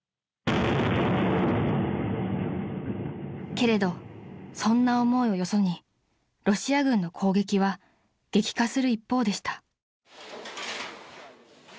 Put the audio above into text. ［けれどそんな思いをよそにロシア軍の攻撃は激化する一方でした］